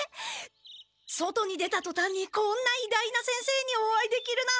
外に出たとたんにこんないだいな先生にお会いできるなんて！